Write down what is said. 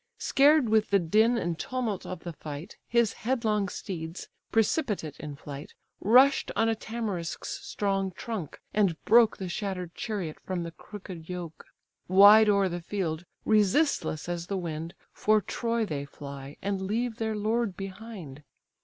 Scared with the din and tumult of the fight, His headlong steeds, precipitate in flight, Rush'd on a tamarisk's strong trunk, and broke The shatter'd chariot from the crooked yoke; Wide o'er the field, resistless as the wind, For Troy they fly, and leave their lord behind.